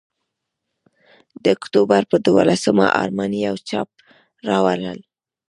د اکتوبر پر دوولسمه ارماني یو چاپ راوړ.